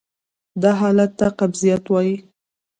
دا حالت ته قبضیت وایې.